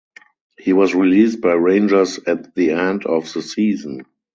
He was released by Rangers at the end of the season.